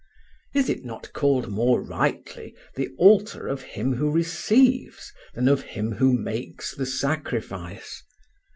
Is it not called more rightly the altar of Him who receives than of Him who makes the sacrifice?